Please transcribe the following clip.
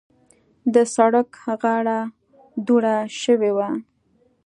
د سړک غاړه دوړه شوې وه.